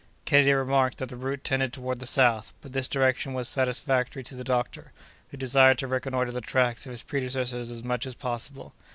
Kennedy remarked that the route tended toward the south; but this direction was satisfactory to the doctor, who desired to reconnoitre the tracks of his predecessors as much as possible.